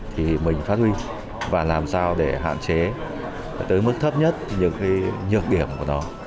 thì mình phát huy và làm sao để hạn chế tới mức thấp nhất những cái nhược điểm của nó